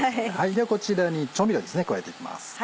ではこちらに調味料ですね加えていきます。